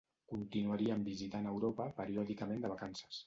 Continuarien visitant Europa periòdicament de vacances.